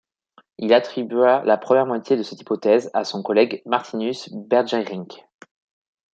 Il attribua la première moitié de cette hypothèse à son collègue Martinus Beijerinck.